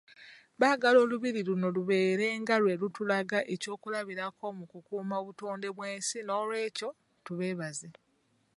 Baagala Olubiri luno lubeere nga lwe lutulaga ekyokulabirako mu kukuuma obutonde bw'ensi nooolwekyo tubeebaza.